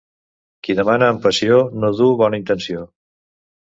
Qui demana amb passió no duu bona intenció.